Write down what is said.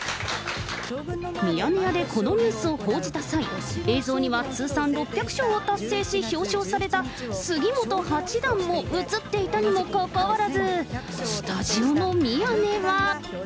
ミヤネ屋でこのニュースを報じた際、映像には通算６００勝を達成し、表彰された杉本八段も映っていたにもかかわらず、スタジオの宮根は。